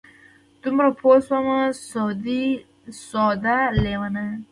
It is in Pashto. دومره پوه شومه سعوده لېونیه!